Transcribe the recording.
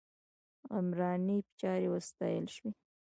عمراني چارې وستایل شوې.